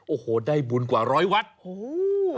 โอ้โหได้บุญกว่า๑๐๐วัตต์